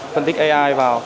phân tích ai vào